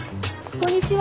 こんにちは。